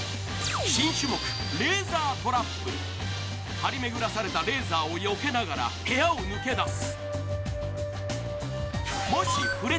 張り巡らされたレーザーをよけがら部屋を抜け出す。